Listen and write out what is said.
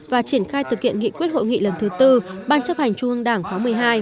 và triển khai thực hiện nghị quyết hội nghị lần thứ tư ban chấp hành trung ương đảng khóa một mươi hai